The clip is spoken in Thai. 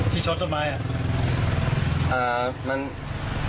พี่ชดทำไม